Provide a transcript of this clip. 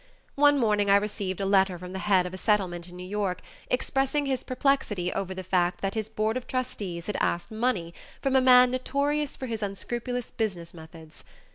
One morning I received a letter from the head of a Settlement in New York expressing his perplexity over the fact that his board of trustees had asked money from a man notorious for his unscrupulous business methods.